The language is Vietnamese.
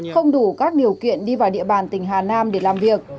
không đủ các điều kiện đi vào địa bàn tỉnh hà nam để làm việc